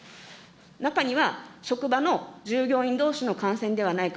中には職場の従業員どうしの感染ではないか。